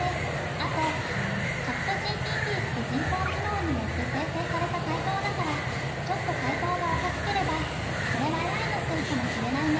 あと、ＣｈａｔＧＰＴって人工知能によって生成された回答だからちょっと回答がおかしければそれはＡＩのせいかもしれないね。